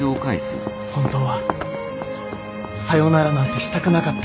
本当はさよならなんてしたくなかった